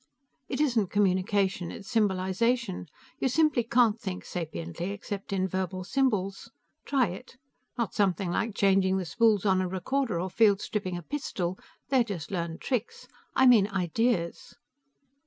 "It isn't communication, it's symbolization. You simply can't think sapiently except in verbal symbols. Try it. Not something like changing the spools on a recorder or field stripping a pistol; they're just learned tricks. I mean ideas."